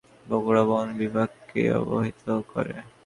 শেরপুর কার্যালয় হনুমানের বিষয়ে বগুড়া বন বিভাগকে অবহিত করে।